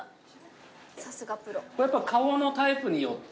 やっぱ顔のタイプによって。